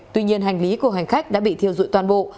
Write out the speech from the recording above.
tuy nhiên hành lý của hành khách đã bị thiêu dụi toàn bộ